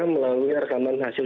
melalui rekaman hasil